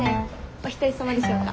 お一人様でしょうか？